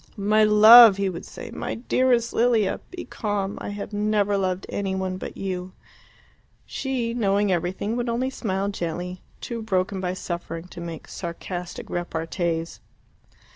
"My love!" he would say, "my dearest Lilia! Be calm. I have never loved any one but you." She, knowing everything, would only smile gently, too broken by suffering to make sarcastic repartees.